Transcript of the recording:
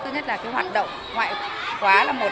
thứ nhất là cái hoạt động ngoại khóa là một